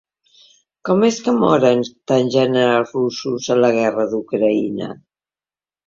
Com és que moren tants generals russos en la guerra d’Ucraïna?